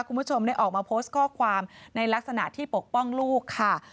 คุณผู้ชมได้ออกมาโพสต์ข้อความในลักษณะที่ปกป้องลูกค่ะ